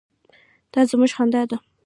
_دا زموږ خندا ده.